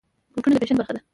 بوټونه د فیشن برخه ده.